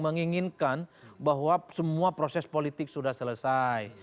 menginginkan bahwa semua proses politik sudah selesai